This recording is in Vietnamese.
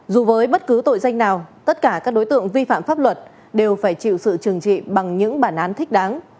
dù với bất cứ tội danh nào tất cả các đối tượng vi phạm pháp luật đều phải chịu sự trừng trị bằng những bản án thích đáng